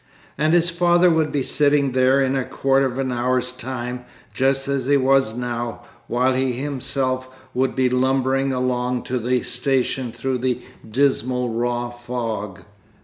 And his father would be sitting there in a quarter of an hour's time, just as he was now, while he himself would be lumbering along to the station through the dismal raw fog!